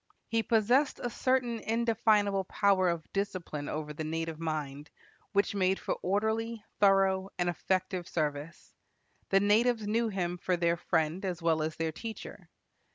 He possessed a certain indefinable power of discipline over the native mind, which made for orderly, thorough, and effective service. The natives knew him for their friend as well as their teacher.